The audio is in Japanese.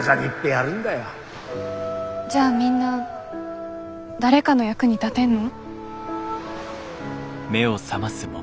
じゃあみんな誰かの役に立てんの？